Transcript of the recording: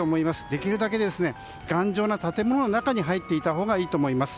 できるだけ頑丈な建物の中に入っていたほうがいいと思います。